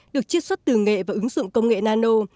được chiết xuất từ nghệ và ứng dụng công nghệ nano